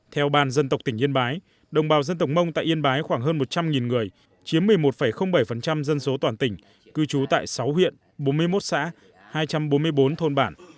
theo bàn dân tộc tỉnh yên bái đồng bào dân tộc mông tại yên bái khoảng hơn một trăm linh người chiếm một mươi một bảy dân số toàn tỉnh cư trú tại sáu huyện bốn mươi một xã hai trăm bốn mươi bốn thôn bản